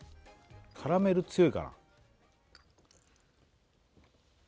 カラメル強いかな？